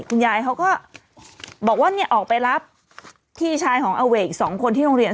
ยายเขาก็บอกว่าเนี่ยออกไปรับพี่ชายของอเวกอีกสองคนที่โรงเรียน